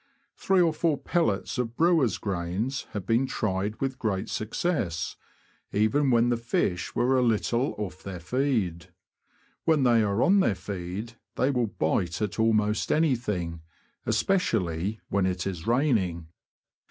Three or four pellets of brewers' grains have been tried with great success, even when the fish were a little off their feed. When they are on their feed they will bite at almost anything, especially when it is raining.